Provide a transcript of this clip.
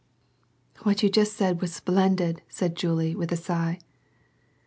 " What you just said was splendid," said Julie, with a sigh.